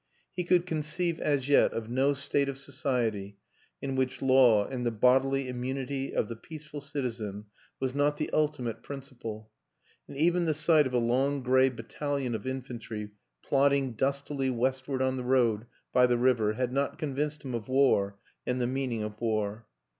He could conceive as yet of no state of society in which Law and the bodily immunity of the peace ful citizen was not the ultimate principle ; and even the sight of a long gray battalion of infantry plodding dustily westward on the road by the river had not convinced him of war and the mean ing of war.